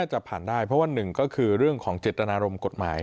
จะผ่านได้เพราะว่าหนึ่งก็คือเรื่องของเจตนารมณ์กฎหมาย